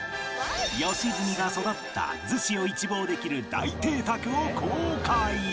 良純が育った逗子を一望できる大邸宅を公開！